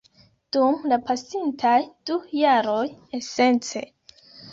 Dum la pasintaj du jaroj, esence